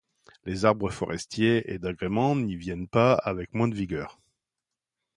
Les arbres forestiers et d'agrément n'y viennent pas avec moins de vigueur.